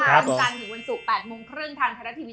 ทุกวันจันทร์ถึงวันศุกร์๘๓๐ทานไทรตวีช่อง๓๒